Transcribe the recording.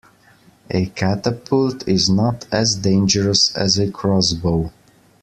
A catapult is not as dangerous as a crossbow